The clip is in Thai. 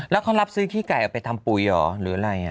แล้วเขารับซื้อขี้ไก่เอาไปทำปุ๋ยเหรอหรืออะไร